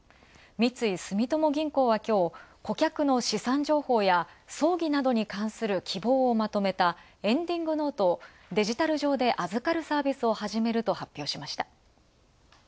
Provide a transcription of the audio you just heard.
三井住友銀行はきょう顧客の資産情報や葬儀などに関する希望をまとめた、エンディングノートをデジタル上で預かるサービスを始めると発表しました。